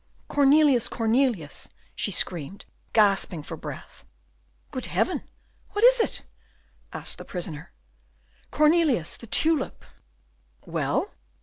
"Cornelius, Cornelius!" she screamed, gasping for breath. "Good Heaven! what is it?" asked the prisoner. "Cornelius! the tulip " "Well?"